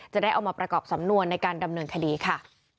จะได้เอามาประกอบสำนวนในการดำเนินคดีค่ะ